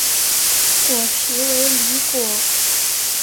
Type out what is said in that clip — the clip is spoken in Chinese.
果实为离果。